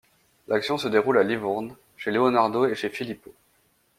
L'action se déroule à Livourne, chez Leonardo et chez Filippo.